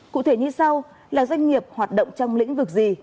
cụ thể như sau là doanh nghiệp hoạt động trong lĩnh vực gì